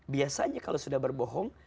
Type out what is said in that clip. biasanya kalau sudah berbohong